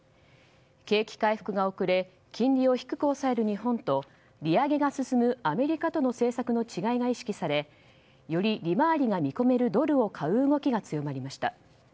景気回復が遅れ金利を低く抑える日本と利上げが進むアメリカとの政策の違いが意識されより利回りが見込めるドルを買う動きが強まりました。